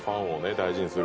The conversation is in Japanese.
大事にする」